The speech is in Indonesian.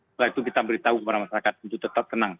setelah itu kita beritahu kepada masyarakat untuk tetap tenang